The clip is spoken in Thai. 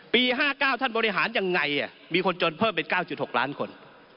๕๙ท่านบริหารยังไงมีคนจนเพิ่มเป็น๙๖ล้านคน